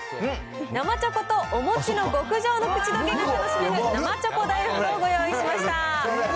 生チョコとお餅の極上の口溶けが楽しめる生チョコ大福をご用意しました。